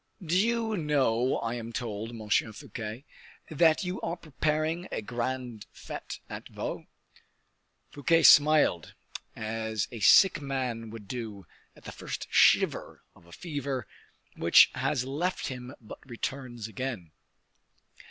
"Do you know I am told, Monsieur Fouquet, that you are preparing a grand fete at Vaux." Fouquet smiled, as a sick man would do at the first shiver of a fever which has left him but returns again.